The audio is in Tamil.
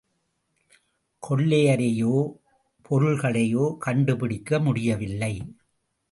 கொள்ளையரையோ, பொருள்களையோ கண்டுபிடிக்க முடியவில்லை.